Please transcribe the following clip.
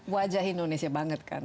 wajah indonesia banget kan